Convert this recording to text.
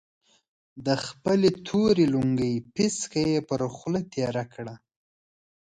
د خپلې تورې لونګۍ پيڅکه يې پر خوله تېره کړه.